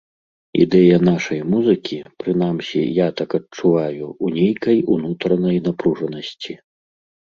Ідэя нашай музыкі, прынамсі я так адчуваю, у нейкай унутранай напружанасці.